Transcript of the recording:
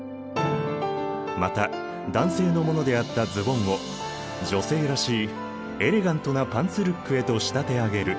また男性のものであったズボンを女性らしいエレガントなパンツルックへと仕立て上げる。